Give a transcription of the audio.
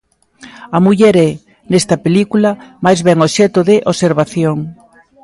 A muller é, nesta película, máis ben obxecto de observación.